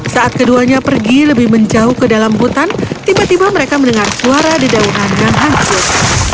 saat keduanya pergi lebih menjauh ke dalam hutan tiba tiba mereka mendengar suara di daunan yang hangus